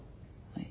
はい。